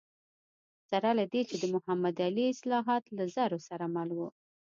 سره له دې چې د محمد علي اصلاحات له زور سره مل و.